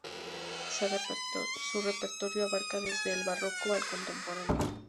Su repertorio abarca desde el barroco al contemporáneo.